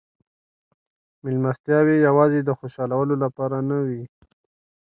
مېلمستیاوې یوازې د خوشحالولو لپاره نه وې.